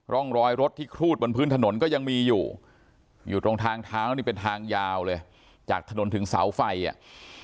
ร่องรอยรถที่ครูดบนพื้นถนนก็ยังมีอยู่อยู่ตรงทางเท้านี่เป็นทางยาวเลยจากถนนถึงเสาไฟอ่ะ